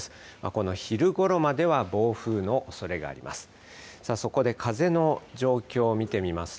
この昼ごろまでは暴風のおそれがあります。